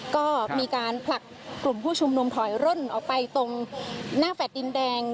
ก็มีการผลักกลุ่มผู้ชุมนุมถอยร่นออกไปตรงหน้าแฟลต์ดินแดง